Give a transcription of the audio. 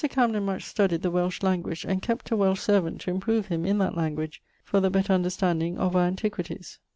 Camden much studied the Welsh language, and kept a Welsh servant to improve him that language, for the better understanding of our antiquities.